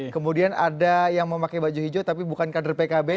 kemudian ada yang memakai baju hijau tapi bukan kader pkb